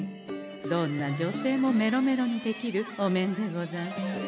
どんな女性もメロメロにできるお面でござんす。